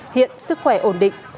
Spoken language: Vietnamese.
hiện sức khỏe ổn định